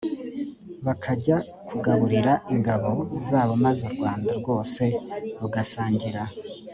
bakajya kugaburira ingabo zabo maze u rwanda rwose rugasangira